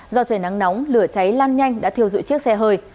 do trời nắng nóng lửa cháy lan nhanh đã thiêu dụi chiếc xe hơi